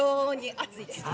暑いですね。